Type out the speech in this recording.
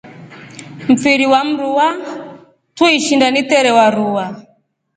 Mfiri wa mruwa tuishinda niterewa ruwa.